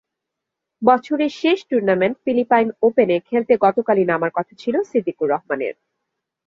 বছরের শেষ tournament Philippine ওপেনে খেলতে গতকালই নামার কথা ছিল সিদ্দিকুর রহমানের।